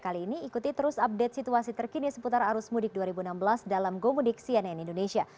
kali ini ikuti terus update situasi terkini seputar arus mudik dua ribu enam belas dalam gomudik cnn indonesia